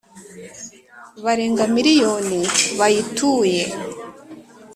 barenga miliyoni bayituye